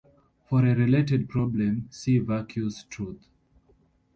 For a related problem, see vacuous truth.